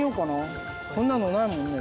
こんなのないもんね。